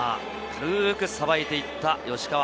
軽くさばいていった、吉川。